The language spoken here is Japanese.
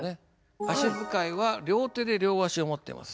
足遣いは両手で両足を持ってます。